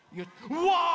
うわ！